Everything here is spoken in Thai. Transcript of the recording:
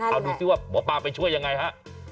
เอาดูซิว่าหมอปลาไปช่วยยังไงฮะ